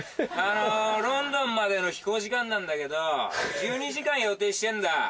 あのロンドンまでの飛行時間なんだけど１２時間予定してんだ。